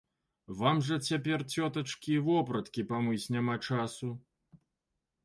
Вам жа цяпер, цётачкі, вопраткі памыць няма часу.